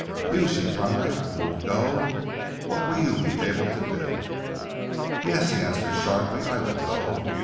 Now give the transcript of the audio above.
"You!" she cried, "you will go? What will you be able to do?" "Yes," he answered sharply. "I will go.